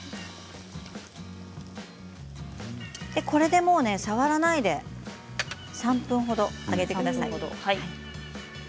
これでもう、触らないで３分ほど揚げてください。